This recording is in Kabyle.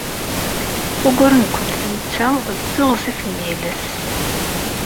Ugur-nwent netta d teɣzef n yiles.